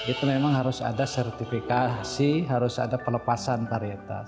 itu memang harus ada sertifikasi harus ada pelepasan varietas